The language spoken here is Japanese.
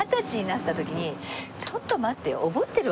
ちょっと待ってよ。